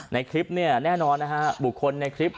ในคลิปเนี่ยแน่นอนนะฮะบุคคลในคลิป